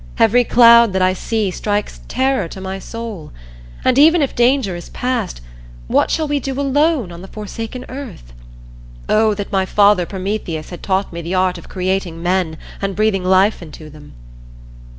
Every cloud that I see strikes terror to my soul. And even if danger is past, what shall we do alone on the forsaken earth? Oh, that my father Prometheus had taught me the art of creating men and breathing life into them!"